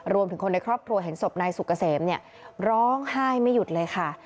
รวมถึงคนในครอบครัวเห็นศพนายสุกเกษมเนี่ยร้องไห้ไม่หยุดเลยค่ะ